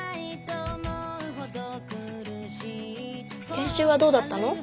研修はどうだったの？